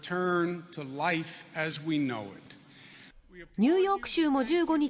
ニューヨーク州も１５日